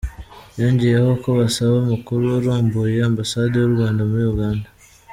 Yongeyeho ko basaba amakuru arambuye ambasade y’u Rwanda muri Uganda.